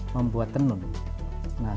membuat tenun nah